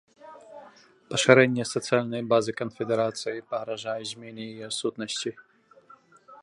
Пашырэнне сацыяльнай базы канфедэрацыі пагражала змене яе сутнасці.